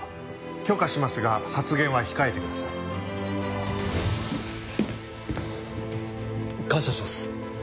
許可しますが発言は控えてください。感謝します。